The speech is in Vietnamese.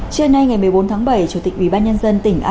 trên nay ngày một mươi bốn tháng bảy chủ tịch ubnd tỉnh an